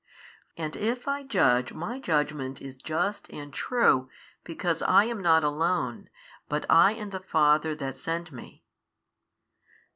And if I judge My judgment is just and true because I am not alone but I and the Father that sent Me.